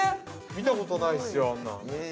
◆見た事ないですよ、あんなん。